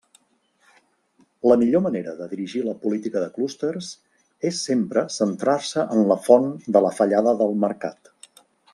La millor manera de dirigir la política de clústers és sempre centrar-se en la font de la fallada del mercat.